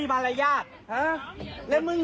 กู้เกล็ดอย่าลง